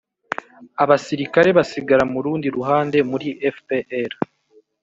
abasirikare basigara mu rundi ruhande muri fpr